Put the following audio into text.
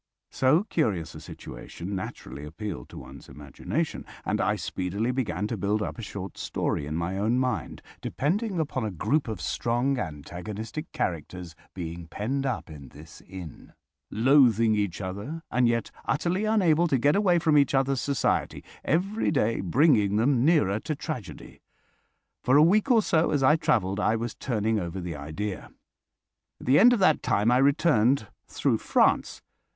So curious a situation naturally appealed to one's imagination, and I speedily began to build up a short story in my own mind, depending upon a group of strong antagonistic characters being penned up in this inn, loathing each other and yet utterly unable to get away from each other's society, every day bringing them nearer to tragedy. For a week or so, as I travelled, I was turning over the idea. At the end of that time I returned through France.